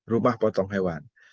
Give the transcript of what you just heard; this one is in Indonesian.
rumah potong hewan